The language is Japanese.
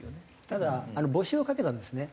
ただ募集をかけたんですね